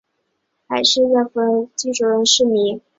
海虱在浮游阶段如何扩散及寻找寄主仍然是迷。